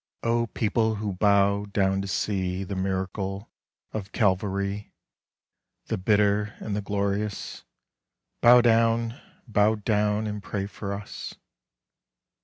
O people who bow down to see The Miracle of Calvary, The bitter and the glorious, Bow down, bow down and pray for us.